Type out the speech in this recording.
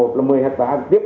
thì người khác thấy được